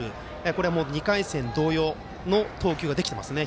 これはもう２回戦同様の投球ができていますね。